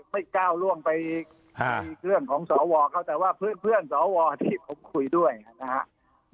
ก้าวล่วงไปมีเรื่องของสวเขาแต่ว่าเพื่อนสวที่ผมคุยด้วยนะครับ